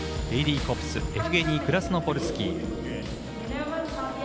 ヘイリー・コプスエフゲニー・クラスノポルスキー。